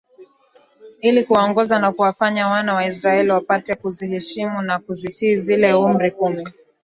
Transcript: ili kuwaongoza na kuwafanya wana wa Israel wapate kuziheshimu na kuzitii Zile amri kumi